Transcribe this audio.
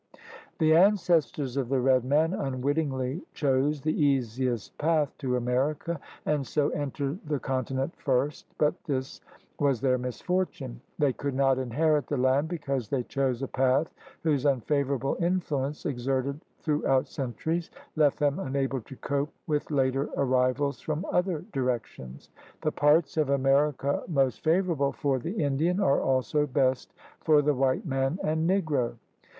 The ancestors of the red man unwittingly chose the easiest path to America and so entered the con tinent first, but this was their misfortune. They could not inherit the land because they chose a path whose unfavorable influence, exerted through out centuries, left them unable to cope with later arrivals from other directions. The parts of America most favorable for the Indian are also best for the white man and Negro.